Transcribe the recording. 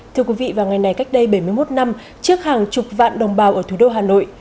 thưa quý vị vào ngày này cách đây bảy mươi một năm trước hàng chục vạn đồng bào ở thủ đô hà nội